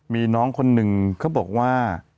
มีน้องคนหนึ่งเขาบอกว่า